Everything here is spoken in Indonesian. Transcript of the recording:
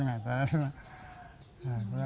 siap siap ngeduai pangan